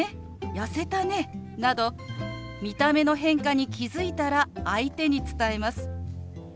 「やせたね」など見た目の変化に気付いたら相手に伝えます。